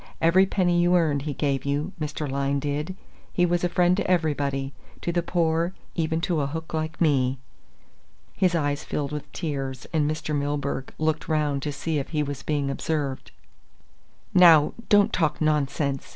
Every penny you earned he gave you, did Mr. Lyne. He was a friend to everybody to the poor, even to a hook like me." His eyes filled with tears and Mr. Milburgh looked round to see if he was being observed. "Now, don't talk nonsense!"